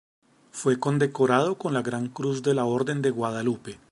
Fue condecorado con la Gran Cruz de la Orden de Guadalupe.